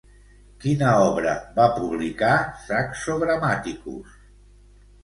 Quina obra va publicar Saxo Grammaticus?